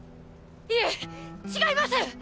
いえ違います！